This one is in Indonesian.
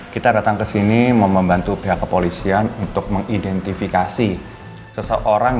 kita datang ke sini membantu pihak kepolisian untuk mengidentifikasi seseorang